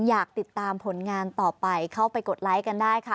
อยากติดตามผลงานต่อไปเข้าไปกดไลค์กันได้ค่ะ